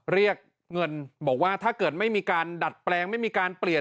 เรียกเงินบอกว่าถ้าเกิดไม่มีการดัดแปลงไม่มีการเปลี่ยน